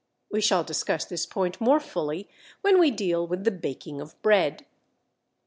We shall discuss this point more fully when we deal with the baking of bread.